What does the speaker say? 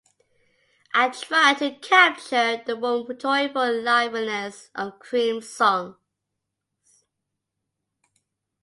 I tried to capture the warm joyful liveliness of Cream's songs.